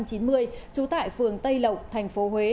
trú tại phường tây lộng thành phố huế